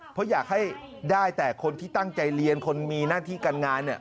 เพราะอยากให้ได้แต่คนที่ตั้งใจเรียนคนมีหน้าที่การงาน